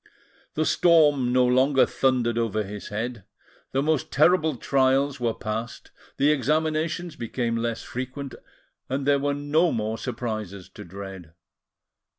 The storm no longer thundered over his head, the most terrible trials were passed, the examinations became less frequent, and there were no more surprises to dread.